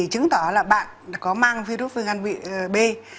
chứng tỏ là bạn có mang virus vnb